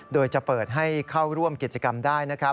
โดยจะเปิดให้เข้าร่วมกิจกรรมได้